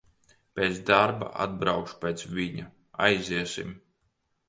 Pēc darba atbraukšu pēc viņa, aiziesim.